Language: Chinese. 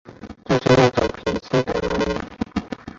就是那种脾气的人